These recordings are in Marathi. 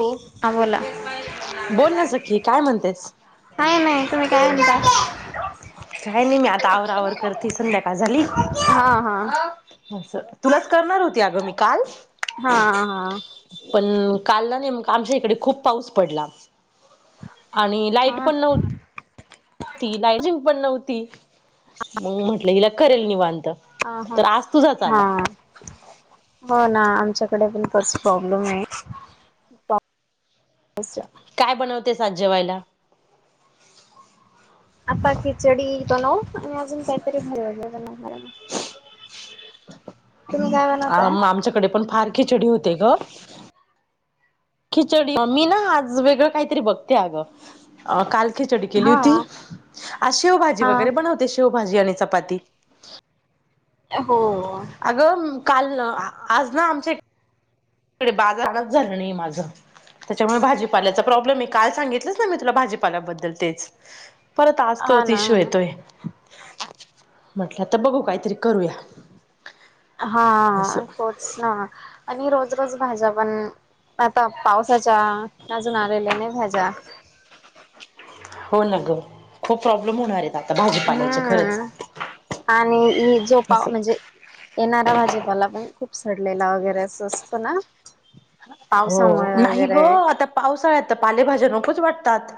हो हा बोला. बोल ना सखी काय म्हणतेस? काही नाही तुम्ही काय म्हणताय? काय नाही मी आता आवरावर करतीय. संध्याकाळ झाली. हा हा असं तुलाच करणार होती आग मी काल. हा हा पण काल ना नेमका आमच्या इकडे खूप पाऊस पडला. आणि लाइट हा पण नव्हती. ती लायजिंक पण नव्हती. मग म्हटलं ईला करेल निवांत. हा हा तर आज तुझाच हा आला हो ना आमच्या कडे पण तोच प्रॉब्लेम आहे. पाऊस अच्छा. काय बनवतेस आज जेवायला. आता खिचडी बनवु. आणि अजून काहीतरी कराव लागलं ना [inaudible] आ म आमच्याकडे पण फार खिचडी होते ग. खिचडी मी ना आज वेगळं काहीतरी बघते अगं. काल खिचडी केली हा होती. आज शेवभाजी हा वगैरे बनवते. शेवभजी आणि चपाती. हो अगं काल आज ना आमच्या तिकडे बाजारलाच झालं नाही माझं. त्याच्यामुळे भाजीपाल्याचा प्रॉब्लेम आहे. काल सांगितलंच ना मी तुला भाजीपाल्याबद्दल तेच. परत आज हा तोच ना हा इश्यू ना येतोय. म्हटलं तर बघू काहीतरी करूया. हा असं होच ना. आणि रोज रोज भाज्या पण आता पावसाच्या अजून आलेल्या नाही भाज्या. हो ना ग. खूप प्रॉब्लेम होणार आहेत. आता भाजीपाल्याचे खरंच हम्म आणि जोपा असं. म्हणजे येणारा भाजीपाला पण खूप सडलेला वगैरे अस असतं ना. पावसामुळे हो. नाही वगैरे ग. आता पावसाळ्यात तर पालेभाज्या नकोच वाटतात.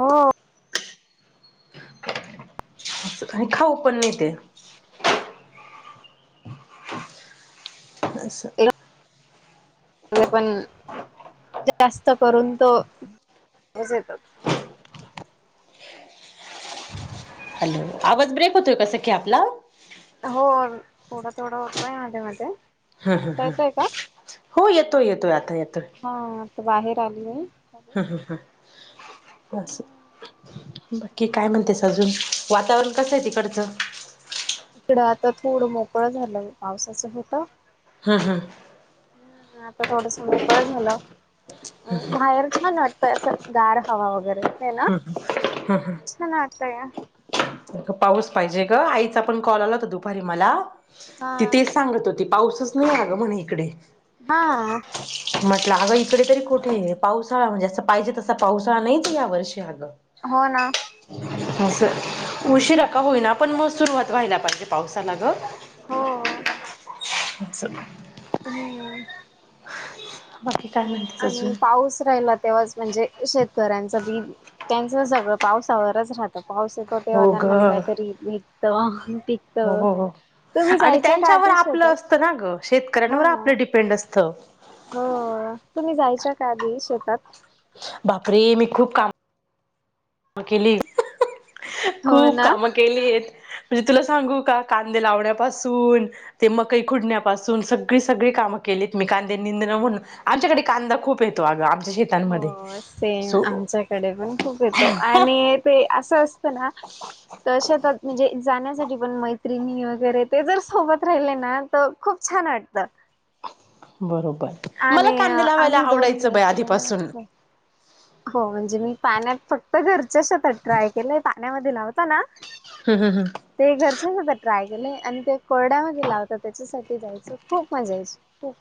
हो. आणि खाऊ पण नाही ते. अस पण जा करून तो हॅलो आवाज ब्रेक होतोय का सखी आपला. हो थोडा थोडा होतोय मध्येे मध्ये. ह ह आता ह येतोय का हो येतोय येतोय आता येतोय. हा आता बाहेर आलीय. हम्म हम्म हम्म [unintelligible] बाकी काय म्हणतेस अजून. वातावरण कसं आहे तिकडचं? इकडं आता थोडं मोकळं झालं. पावसाचं होतं. हा हा आता थोडस मोकळ झालं. बाहेर छान वाटत. असं गार हवा वगैरे येतेय ना. छान वाटतय. पाऊस पाहिजे ग आईचा आपण कॉल आला होता दुपारी मला हा ति तेच सांगत होती. पाऊसच नाही आग म्हणे इकडे. हा, म्हटलं अगं इकडे तरी कुठे आहे, पावसाळा म्हणजे जं पाहिजे तसा पावसाळा नाही त या वर्षी अगं. हो ना अस उशीरा का हो होईना आपण मसूर वत पहिनाप ते पावसा ना ग, [unintelligible] [unintelligible] बाकी, काय म्हणतेस आणि अजून पाऊस राहिला तेव्हाच म्हणजे शेतकऱ्यांचं बी त्यांचं सगळं, पावसावरच राहतं. पाऊस येतो तेव्हा हो ग त्यांना, बी काहीतरी निघत हो पिकतं. हो हो आणि त्यांच्यावर आपलं असतं ना ग, हो शेतकऱ्यांवर ना आपलं डिपेंड असतं. हो तुम्ही जायच्या का आधी शेतात? बापरे मी खूप काम काम केली हो खूप ना काम केली आहेत. म्हणजे तुला सांगू का कांदे लावण्यापासून, ते मकई खुडण्यापासून सगळी सगळी काम केलेत मी कांदे निंदण म्हणून, आमच्याकडे कांदा खूप येतो अग, हो सेम आमच्याकडे पण खूप, आणि ते अस असत, ना शेतात म्हणजे पण मैत्रिणी वगैरे ते जर सोबत राहिले ना, तर खूप छान वाटत. बरोबर मला कांदे लावायला आम्ही दोन आवडायचं बाय मैत्रिणी आधीपासून. होतो. हो म्हणजे मी पाण्यात फक्त घरच्या शतात ट्राय केलंय, पाण्यामध्ये लावता ना. हम् हम [unintelligible] हम ते घरचच होता ट्राय केलं. आणि ते कोरड्यामध्ये लावतात, त्याच्यासाठी जायचं खूप मजा यायची खूप.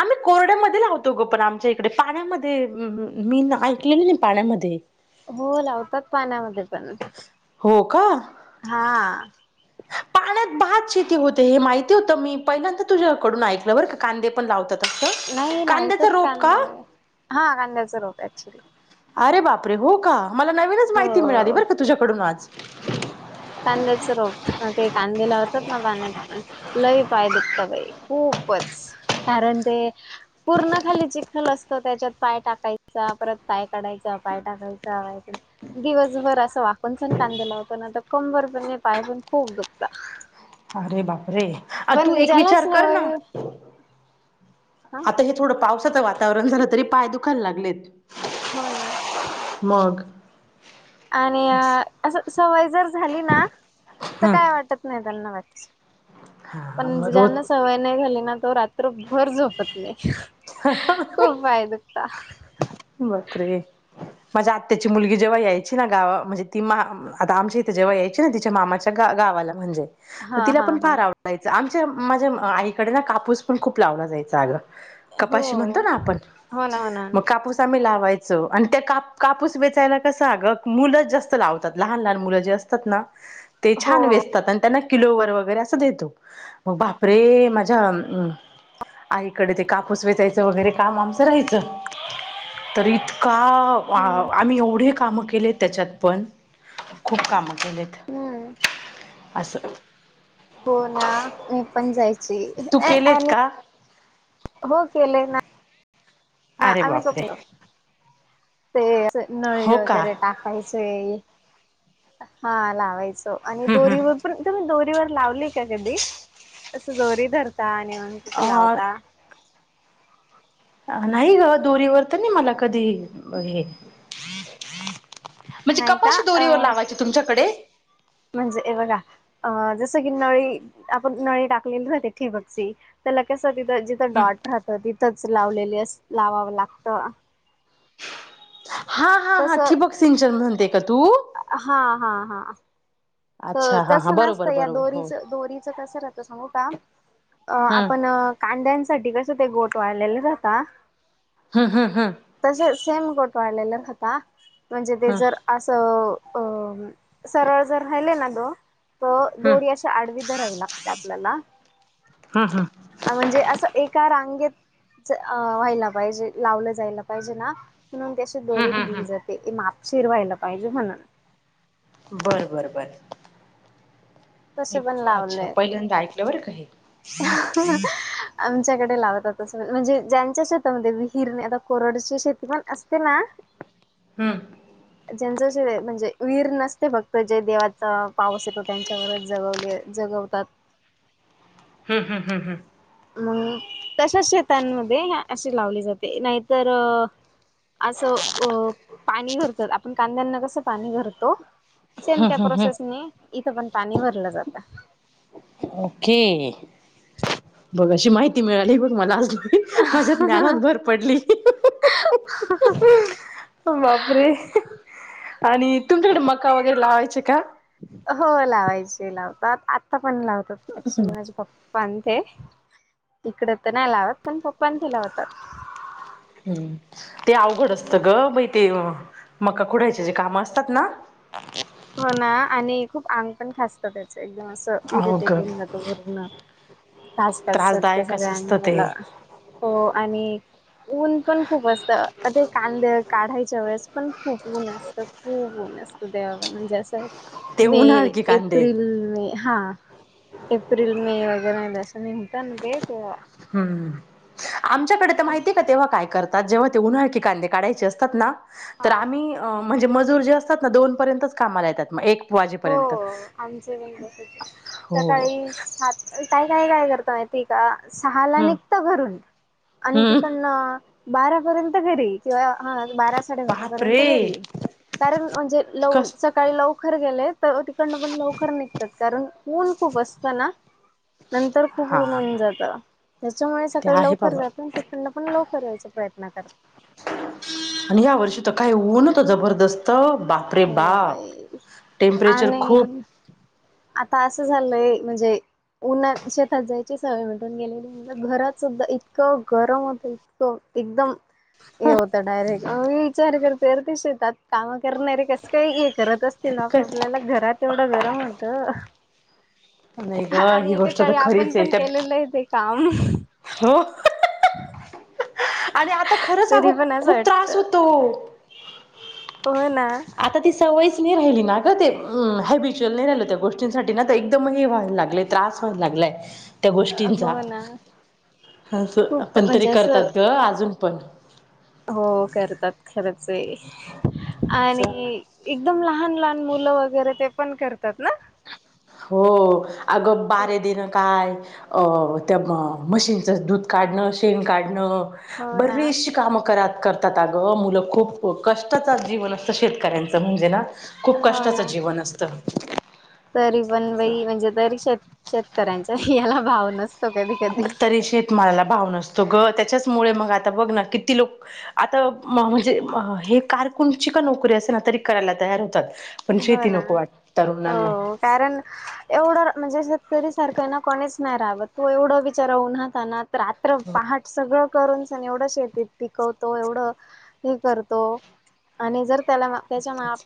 आम्ही कोरड्यामध्ये लावतो गो पण, आमच्या इकडे पाण्यामध्ये मी ऐकलेलं नाही पाण्यामध्ये, हो लावतात पाण्यामध्ये पण हो का हा, पाण्यात भात शेती होते हे माहिती होतं, मी पहिल्यांदा तुझ्याकडून ऐकलं बरं का कांदे पण लावतात. नाही असं कांद्याचा लावतत रोप कांदे का हा कांद्याच रोप ऍक्च्युली, अरे बापरे हो का! मला नवीनच माहिती मिळाली हो बरं का तुझ्याकडून आज, कांद्याच रोप ते कांद्या ला, [unintelligible] लय पाय दुखत बाई खूपच कारण ते खप वरून खाली चिखल असतो, त्याच्यात पाय टाकायचा परत पाय काढायचां पाय टाकायचंय. दिवसभर असं वाकून सण कांदेला होत. ना तर कंबर पण पाय पण खूप दुखत. अरे बाप, रे तू एक विचार कर ना सवय हा आता, हे थोडं पाऊस वातावरण झालं तरी पाय दुखायला लागलेत. हो ना, मग आणि असं सवय जर झाली ना, तर हम्म. काय वाटत नाही त्यांना. हा पण मग रोज ज्यांना सवय नाही झाली. ना तो रात्रभर झपत नाही. खूप पाय दुखता, बापरे, माझ्या आत्याची मुलगी जेव्हा यायची ना, गाव म्हणजे ती मा आता आमच्या इथे जेव्हा यायची ना, तिच्या मामाच्या गाव गावाला म्हणजे, म हा तिला हा पण हा फार आवडायचं, आमच्या माझ्या आईकडे ना कापूस पण खूप लावला. जायच अगं, हो कपाशी म्हणतो. ना आपण हो ना हो ना मग कापूस, लावायचं आणि, त्या काप कापूस वेचायला कसं अगं मुलं जास्त लावतात. लहान लहान मुलं जे असतात ना. ते हो छान वेचतात आणि त्यांना. किलो वर वगैरे असं देतो. मग बापरे माझ्या, आईकडे ते कापूस वेचायचं वगैरे काम आमचं राहायचं. [unintelligible] तर इतका, हम्म आम्ही एवढे काम केले. केले त्याच्यात पण खूप कामं केलेत. हम्म असं, हो ना मी पण जायची तू केलेत आणि, का हो केले ना. हा अरे आम् बापरे चक [unintelligible] ते नळी हो का वगैरे टाकायचे हा लावायचे आणि हम्म दोरीवर हम्म पण तुम्ही दोरीवर लावली का कधी अस दोरी धरता. न कुस लावता अ [unintelligible] नाही ग दोरीवर तर नाही मला कधी हे. म्हणजे नाही का कपाशी अ दोरीवर लावायची तुमच्याकडे म्हणजे हे बघा अ जसं की नळी आपण नळी टाकलेलीवती ठि बगची तर लगेच. तिथं जिथं हम्म. डॉट राहतं तिथंच लावलेली अस लावावं लागत. हा हा हां ठिबक सिंचन म्हणते का तू हा हा हा. अच्छा हा तस हा बरोबर नसतं या बरोबर हो. दोरीच दोरीचं कसं राहत सांगू का अ हम्म आपण कांद्यांसाठी कसं ते गोठ वाळलेलं जात. हम्म हम्म हम्. सेम गोट वाढलेलं होता. म्हणजे ते हम्म. जर असं अ सरळ जर राहिले. ना दो हम्म. दोरी अशी आडवी धरावी लागते आपल्याला. हम्म हम्म म्हणजे. असं एका रांगेत. अ व्हायला पाहिजे लावलं जायला पाहिजे ना म्हणून त्याची हम्म दोरी हम्म धरली हम्म जाते माप शिरवायला पाहिजे म्हणून बर बरं बर तसे म पण अच्छा लावलंय पहिल्यांदा ऐकलं बरं का हे च्याकडे लावतात म्हणजे ज्यांच्या शेतामध्ये विहीर आता कोरडची शेती पण असते ना हम्म ज्यांच जे म्हणजे वीर नसते फक्त जे देवाचा पाऊस येतो त्यांच्यावरच जगवले ज त हम्म हम् हम् हम् मग तशाच शेतांमध्ये अशी लावली जाते नाहीतर असं अ पाणी भरतात आपण कांद्यांना कसं पाणी भरतो सेम हम्म त्या हम्म हम्म प्रोसेसने इथ पण पाणी भरलं जात पखी बघ अशी माहिती मिळाली बघ मला माझ्या ज्ञानात भर पडली बापरे आणि तुमच्याकडे मग का वगैरे लावायचे का हो लावायचे लावतात आता पण लावतात ऍक्च्युली माझे पप्प ते तकडे तर नाही लावत पण पप्प तला होतात हम्म ते अवघड असतं ग मई ते मका कुडायचे जे कामं असतात ना हो ना आणि खूप अन पण खासतं त्याच एकदम असं अहो इरिटेट ग होऊन जातो भरण खास करसते त्रासदायकच सगळ्यां असतं ते मला हो आणि ऊन पण खूप असतं ते कांदे काढायच्या वेळेस पण खूप ऊन असत खूप ऊन तवाण ज आहे ते मे उन्हाळकी कांदे एप्रिल मे हा एप्रिल मे वर अ दस निट ते हम् आमच्याकडे तर माहिती का तेव्हा काय करत जेव्हा ते उन्हाळ क कांदे काढायचे असतात ना तर हा आम्ही म्हणजे मजूर जे असतात ना दोन पर्यंतच कामाला येतात मग एक हो वाजेपर्यंत आमच बण कस हो सकाळी सात काय काय काय करतो माती का सहाला हम्म निघतं घरून आणि हम्म तिकड बारापर्यंत घरी किंवा हा बारा साडेबारापर्यंत बापरे तरीई कारण म्हणजे लव कस सकाळी लवकर गेलेत तिकडनं पण लवकर निघतात कारण ऊन खूप असत ना नंतर खूप उन हा होन जात त्याच्यामुळे ते सकाळी आहे लवकर बाबा जात तिकडनं पण लवकर यायचा प्रयत्न करत आणि या वर्षी तर काय होऊनतं जबरदस्त बाप रे हो बाप बाई टेम्परेचर खूप आणि आता असं झालंय म्हणजे उन्हात शेतात जायची सवय म्हटून गेलेली म्ह घरात सुद्धा इतकं गरम होतं इतकं एकदम हे होतं डायरेक्ट विचार करते करते काम करणाररे कस काही हे करत असतील ना आप आपल्याला घरात एवढं गरम होत नाही ग आणि ही गोष्ट तर एककाकडे आपण खरीच आहे पण त्या केलेलं आहे ते काम हो आणि आता खरंचगो तरी पण असं खूप त्रास वाटतं होतो हो ना आता ती सवयच राहिली ना का ते हबिच्युअल नाही राहिल त्या गोष्टींसाठी ना एकदमही व्हायला लागले त्रास व्हायला लागले त्या गोष्टींचा हो ना खूप आपण तरी म्हणजे असं करतात ग अजून पण हो करतात खरंच आहे असं आणि एकदम लहान लहान मुलं वगैरे ते पण करतात ना हो अगं बारे देनं काय अ त्या मशीनचं दूध काढणं शेण काढणं हो ना बरीचशी काम कर करतात अग मुलं खूप कष्टच जीवन असतं शेतकऱ्यांचं म्हणजे ना खूप हो कष्टाचं ना जीवन असतं तरी पण बाई म्हणजे तरी शेत शेतकऱ्यांचा याला भाव नसतो कधी कधी तरी शेतमालाला भाव नसतो ग त्याच्याचमुळे मग आ आ बघ ना किती लोक आता म्हणजे हे कारकुूनची का नोकरी असेल ना तरी करायला तयार होत पण हो शेती ना नको वाट हो कारण एवढं म्हणजे शेतकरी सारखं आहे ना कोणी नाही राहावं तू एवढं विचारवूनहात ना रात्र पहाट सगळं करून स एवढ शेतीत पिकवतो एवढं हे करतो आणि जर तला म पच ना अगदीच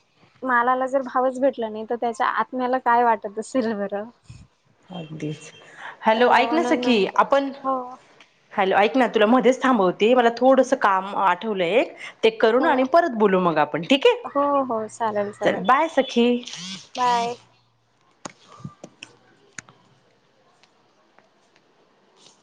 जर भावच भेटलं नाही तर त्याच्या आत्म्याला काय वाटत असेल बरं अगदीच अ हॅलो ऐक ना म्हणून सखी मग आपण हो हॅलो ऐक ना तुला मध्येच थांबवते मला थोडस काम आठवलं एक ते करून आणि हो परत बोलू मग आपण ठीक आहे हो हो चालेल चल चालेल बाय सखी बाय.